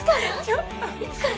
いつから？